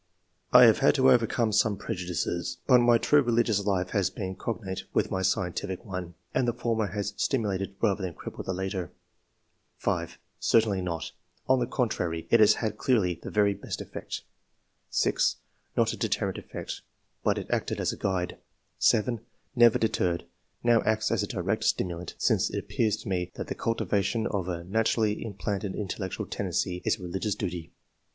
I have had to overcome some prejudices, but my true religious life has been cognate with my scientific one, and the former has stimulated rather than crippled the latter." 5. '' Certainly not ! On the contrary, it has had clearly the very best effect." 6. " Not a deterrent efi^ect ; but it acted as a guide." 7. " Never deterred ; now acts as a direct stimulant, since m it appears to me that the cultivation of a naturally implanted intellectual tendency is a religious duty.